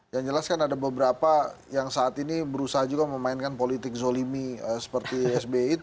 yang jelas kan ada beberapa yang saat ini berusaha juga memainkan politik zolimi seperti sbi